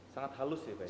sangat halus ya pak